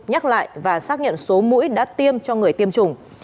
nhắc lại và xác nhận số mũi đã tiêm cho người tiêm chủng